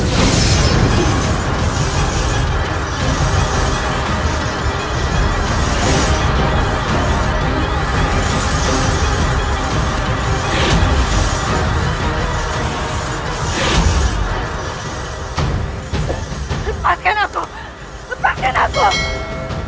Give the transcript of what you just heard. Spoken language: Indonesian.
bagaimana jika kau menukar darah suci mu